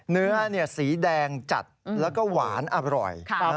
เนื้อสีแดงจัดแล้วก็หวานอร่อย